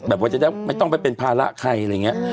ว่าจะได้ไม่ต้องไปเป็นภาระใครอะไรอย่างนี้